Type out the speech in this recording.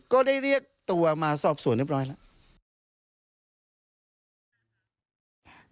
ก็ได้เรียกตัวมาสอบสวนเรียบร้อยแล้ว